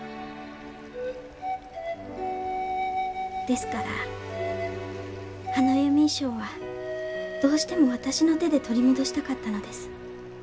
ですから花嫁衣装はどうしても私の手で取り戻したかったのです。